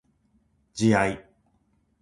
自愛